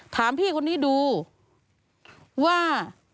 ถามพี่คนนี้ดูว่า